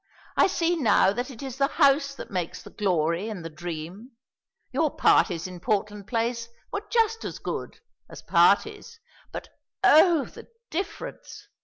"I see now that it is the house that makes the glory and the dream. Your parties in Portland Place were just as good, as parties, but oh, the difference!